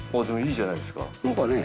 でもいいじゃないですか。